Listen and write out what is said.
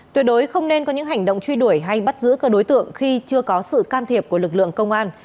tuyệt đối không nên có những hành động truy đuổi hay bắt giữ các đối tượng khi chưa có sự can thiệp của lực lượng công an